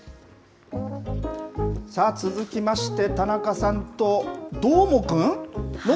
さあ、続きまして田中さんとどーもくん？